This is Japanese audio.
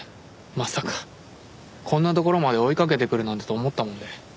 まさかこんな所まで追いかけてくるなんてと思ったもので。